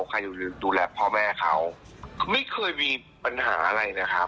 ใครอยู่ดูแลพ่อแม่เขาไม่เคยมีปัญหาอะไรนะครับ